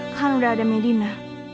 kan udah ada medina